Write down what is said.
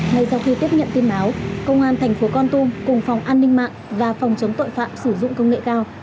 ngay sau khi tiếp nhận tin báo công an thành phố con tum cùng phòng an ninh mạng và phòng chống tội phạm sử dụng công nghệ cao